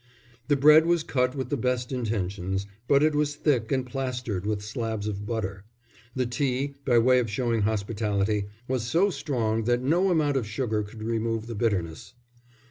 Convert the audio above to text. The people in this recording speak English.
The bread was cut with the best intentions, but it was thick and plastered with slabs of butter. The tea, by way of showing hospitality, was so strong that no amount of sugar could remove the bitterness.